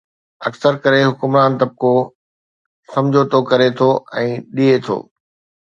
اڪثر ڪري حڪمران طبقو سمجھوتو ڪري ٿو ۽ ڏئي ٿو.